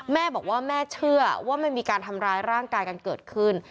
แม่บอกว่าแม่เชื่อว่ามันมีการทำร้ายร่างกายกันเกิดขึ้น